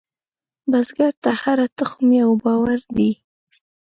بزګر ته هره تخم یو باور دی